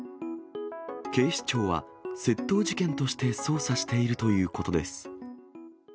警視庁は、窃盗事件として捜査しているということです。